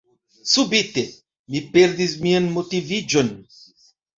Subite, mi perdis mian motiviĝon.